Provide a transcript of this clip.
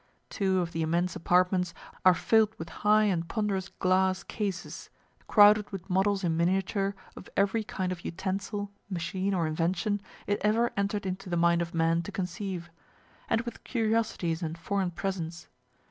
Two of the immense apartments are fill'd with high and ponderous glass cases, crowded with models in miniature of every kind of utensil, machine or invention, it ever enter'd into the mind of man to conceive; and with curiosities and foreign presents.